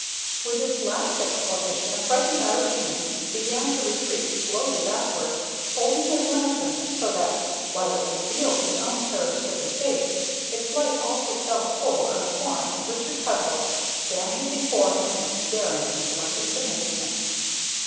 With this last exclamation the frightened Irishman began to retreat slowly backward, holding his lantern so that, while it revealed his own terror stricken face, its light also fell full on the form of Richard Peveril standing before him and staring in blankest amazement.